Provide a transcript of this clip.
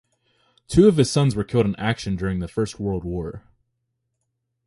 Two of his sons were killed in action during the First World War.